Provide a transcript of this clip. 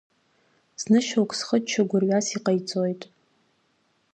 Зны шьоукы зхыччо гәырҩас иҟаиҵоит.